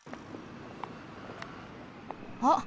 あっ！